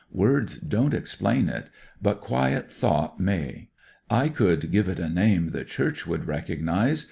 Words won*t explain it, but quiet thought may. I could .. e it a name the Church would recognise.